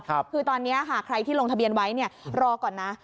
คือตอนนี้ค่ะใครที่ลงทะเบียนไว้เนี่ยรอก่อนนะ